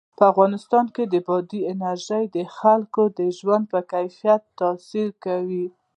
په افغانستان کې بادي انرژي د خلکو د ژوند په کیفیت تاثیر کوي.